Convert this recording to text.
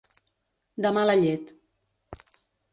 De mala llet.